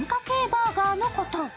バーガーのこと。